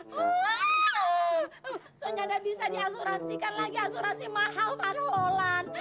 soalnya udah bisa diasuransikan lagi asuransi mahal van holland